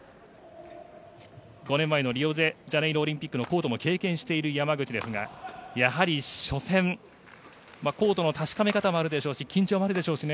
５年前のリオデジャネイロオリンピックのコートも経験している山口ですがやはり初戦、コートの確かめ方もあるでしょうし緊張もあるでしょうしね